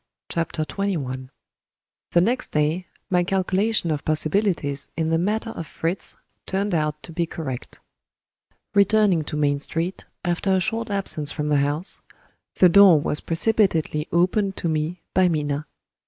CHAPTER XXI The next day, my calculation of possibilities in the matter of Fritz turned out to be correct. Returning to Main Street, after a short absence from the house, the door was precipitately opened to me by Minna.